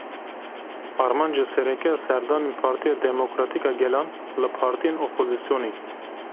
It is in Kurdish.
Armanca sereke ya serdanên Partiya Demokratîk a Gelan li partiyên opozisyonê.